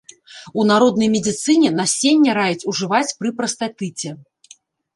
У народнай медыцыне насенне раяць ужываць пры прастатыце.